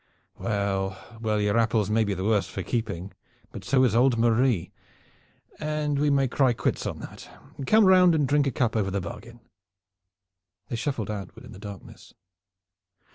"Well, well your apples may be the worse for keeping, but so is old Marie, and we can cry quits on that. Come round and drink a cup over the bargain." They shuffled onward in the darkness.